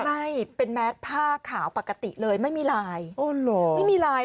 ใช่เป็นแมสผ้าขาวปกติเลยไม่มีลายอ๋อเหรอไม่มีลาย